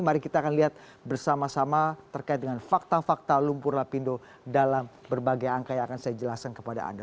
mari kita akan lihat bersama sama terkait dengan fakta fakta lumpur lapindo dalam berbagai angka yang akan saya jelaskan kepada anda